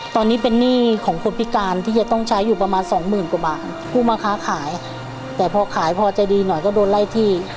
ตอนนี้เป็นหนี้ของคนพิการที่จะต้องใช้อยู่ประมาณสองหมื่นกว่าบาทผู้มาค้าขายแต่พอขายพอใจดีหน่อยก็โดนไล่ที่